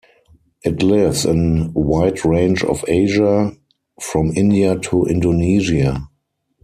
It lives in wide range of Asia - from India to Indonesia.